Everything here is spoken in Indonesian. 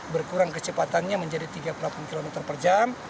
berkurang kecepatannya menjadi tiga puluh delapan km per jam